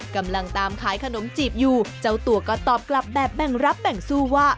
กำลังตามขายขนมจีบอยู่เจ้าตัวก็ตอบกลับแบบแบ่งรับแบ่งสู้ว่า